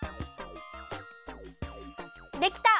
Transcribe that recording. できた！